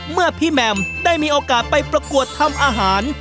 เมื่อพี่แมมได้มีโอกาสไปประกวดทำอาหาร